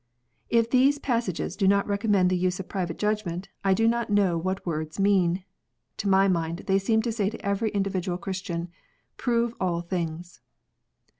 If these passages do not recommend the use of private judgment, I do not know what words mean. To my mind they seem to say to every individual Christian, " Prove all things."